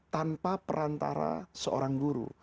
tanpa perantara seorang guru